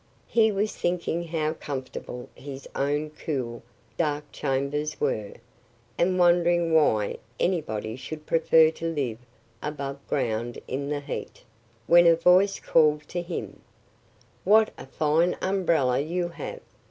He was thinking how comfortable his own cool, dark chambers were, and wondering why anybody should prefer to live above ground in the heat, when a voice called to him, "What a fine umbrella you have!